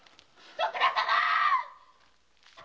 徳田様！